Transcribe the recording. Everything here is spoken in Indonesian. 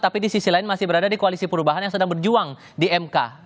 tapi di sisi lain masih berada di koalisi perubahan yang sedang berjuang di mk